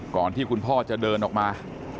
ก่อนที่คุณพ่อจะเดินออกมา